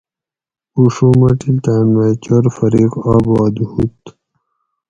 اڛو مٹللتاۤن مئ چور فریق آباد ھوت